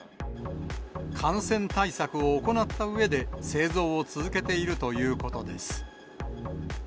感染対策を行ったうえで、製造を続けているということです。